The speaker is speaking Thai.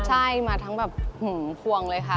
ใช่มาทั้งแบบพวงเลยค่ะ